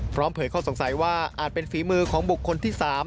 เผยข้อสงสัยว่าอาจเป็นฝีมือของบุคคลที่๓